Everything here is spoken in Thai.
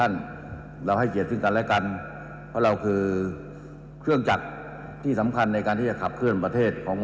ในเมื่อท่านปลูกของท่านอยู่แล้ว